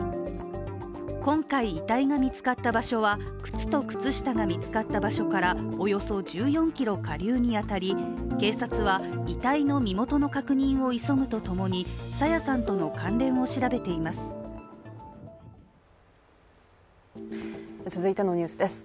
今回、遺体が見つかった場所は靴と靴下が見つかった場所からおよそ１４ｋｍ下流に当たり警察は、遺体の身元の確認を急ぐとともに朝芽さんとの関連を調べています。